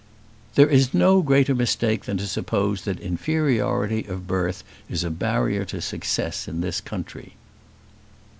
"There is no greater mistake than to suppose that inferiority of birth is a barrier to success in this country."